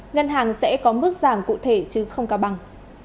ngân hàng sẽ có mức giảm cụ thể chứ không cao bằng